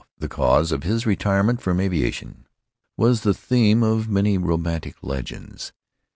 The cause of his retirement from aviation was the theme of many romantic legends.